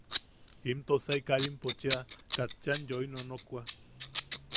Im Tosai Karimpo cheʼa katchan yoi nonokwa.